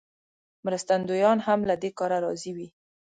مرستندویان هم له دې کاره راضي وي.